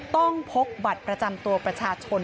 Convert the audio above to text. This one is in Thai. พกบัตรประจำตัวประชาชน